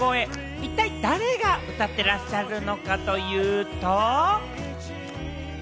一体誰が歌っていらっしゃるのかというと。